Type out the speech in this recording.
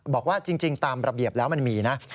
บอกว่าจริงตามระเบียบแล้วมันมีนะ